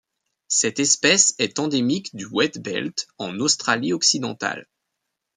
Cette espèce est endémique du Wheatbelt en Australie-Occidentale.